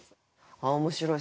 面白い。